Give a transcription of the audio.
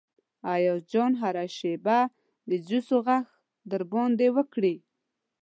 ایاز جان هره شیبه د جوسو غږ در باندې وکړي.